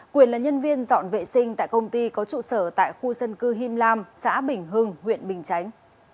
quyền là nhân viên dọn vệ sinh tại công ty có trụ sở tại khu dân cư him lam xã bình hưng huyện bình chánh